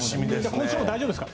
今週は大丈夫ですか？